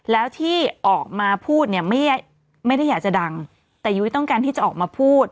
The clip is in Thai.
แล้วที่ออกมาพูดเนี่ยไม่ได้อยากจะดังแต่ยุ้ยต้องการที่จะออกมาพูด